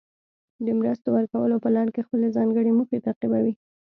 د مرستو ورکولو په لړ کې خپلې ځانګړې موخې تعقیبوي.